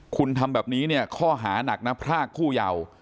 คุณทำแบบนี้เนี่ยข้อหานักนะพรากผู้เยาว์